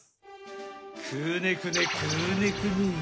くねくねくねくね。